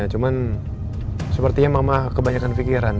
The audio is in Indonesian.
cuman sepertinya mama kebanyakan pikiran